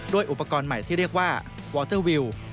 อุปกรณ์ใหม่ที่เรียกว่าวอเตอร์วิว